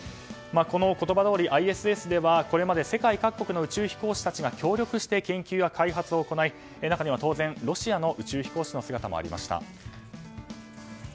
この言葉どおりＩＳＳではこれまで世界各国の宇宙飛行士たちが協力して研究や開発を行い中には当然、ロシアの宇宙飛行士の姿もありました。